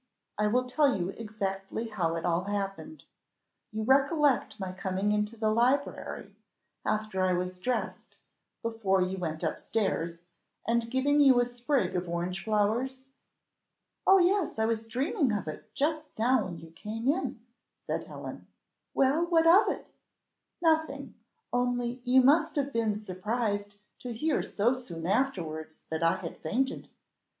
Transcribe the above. I will tell you exactly how it all happened: you recollect my coming into the library after I was dressed, before you went up stairs, and giving you a sprig of orange flowers?" "Oh yes, I was dreaming of it just now when you came in," said Helen. "Well, what of that?" "Nothing, only you must have been surprised to hear so soon afterwards that I had fainted."